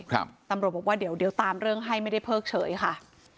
ตำรวจบอกว่าเดี๋ยวเดี๋ยวตามเรื่องให้ไม่ได้เพิกเฉยค่ะ